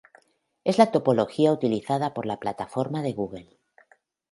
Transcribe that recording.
Es la topología utilizada por la plataforma de Google.